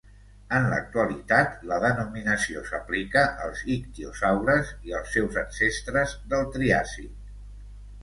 En l'actualitat, la denominació s'aplica als ictiosaures i als seus ancestres del Triàsic.